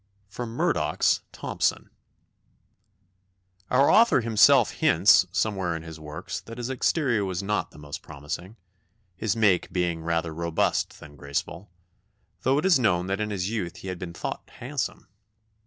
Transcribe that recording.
[Sidenote: Murdoch's Thomson.] "Our author himself hints, somewhere in his works, that his exterior was not the most promising his make being rather robust than graceful, though it is known that in his youth he had been thought handsome.